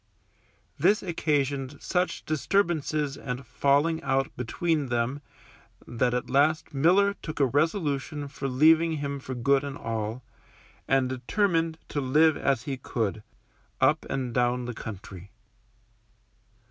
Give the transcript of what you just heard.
This occasioned such disturbances and falling out between them that at last Miller took a resolution for leaving him for good and all, and determined to live as he could, up and down the country.